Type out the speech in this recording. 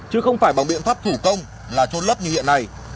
chứ không phải bằng biện pháp thủ công là trôn lấp như hiện nay